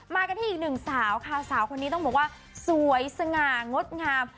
กันที่อีกหนึ่งสาวค่ะสาวคนนี้ต้องบอกว่าสวยสง่างดงาม